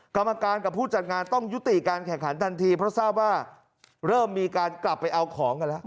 กรรมการกับผู้จัดงานต้องยุติการแข่งขันทันทีเพราะทราบว่าเริ่มมีการกลับไปเอาของกันแล้ว